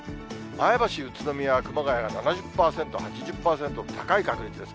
前橋、宇都宮、熊谷が７０％、８０％と高い確率です。